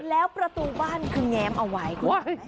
แล้วประตูบ้านคืหนีย้มเอาไวด์